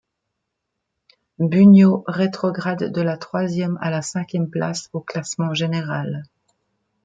Bugno rétrograde de la troisième à la cinquième place au classement général.